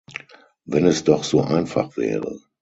Wenn es doch so einfach wäre!